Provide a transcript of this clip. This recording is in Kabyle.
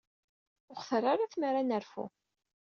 Ur aɣ-terri ara tmara ad nerfu.